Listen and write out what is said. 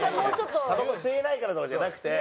たばこ吸えないからとかじゃなくて。